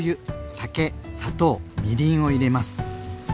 酒砂糖みりんを入れます。